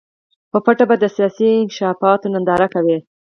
په پټه به د سیاسي انکشافاتو ننداره کوي.